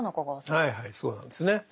はいはいそうなんですね。